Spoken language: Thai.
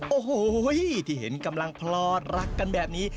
โอ้โหที่เห็นกำลังพลอดรักกันแบบนี้